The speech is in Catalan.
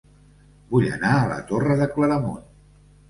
Vull anar a La Torre de Claramunt